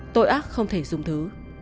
tội ác không thể dùng thứ